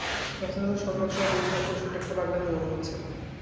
যথাযথ সম্মান সহ বলছি অপারেশনটা একটা পাগলামি বলে মনে হচ্ছে।